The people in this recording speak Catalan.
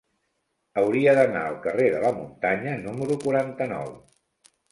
Hauria d'anar al carrer de la Muntanya número quaranta-nou.